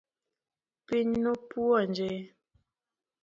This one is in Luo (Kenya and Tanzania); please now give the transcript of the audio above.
Piny nopuonje